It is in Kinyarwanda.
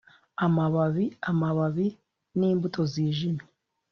Amababi amababi nimbuto zijimye